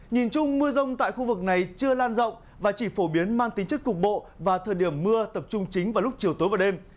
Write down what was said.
nhìn chung mưa rông tại khu vực này chưa lan rộng và chỉ phổ biến mang tính chất cục bộ và thời điểm mưa tập trung chính vào lúc chiều tối và đêm